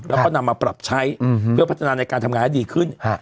แล้วก็นำมาปรับใช้เพื่อพัฒนาในการทำงานให้ดีขึ้น